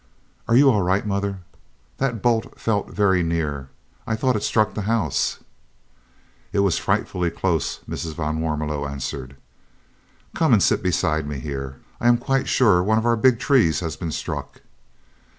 "Are you all right, mother? That bolt fell very near. I thought it struck the house." "It was frightfully close," Mrs. van Warmelo answered. "Come and sit beside me here. I am quite sure one of our big trees has been struck."